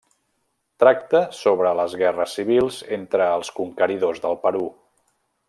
Tracta sobre les guerres civils entre els conqueridors del Perú.